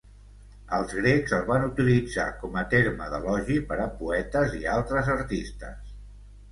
Els grecs el van utilitzar com a terme d'elogi per a poetes i altres artistes.